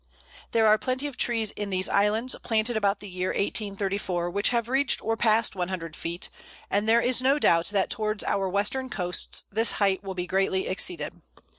There are plenty of trees in these islands, planted about the year 1834, which have reached or passed 100 feet, and there is no doubt that towards our western coasts this height will be greatly exceeded.